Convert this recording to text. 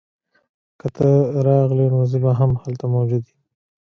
که ته راغلې نو زه به هم هلته موجود یم